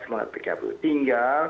semangat pkpui hingga